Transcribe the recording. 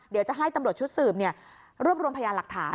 เดี๋ยวจะให้ตำรวจชุดสืบรวบรวมพยานหลักฐาน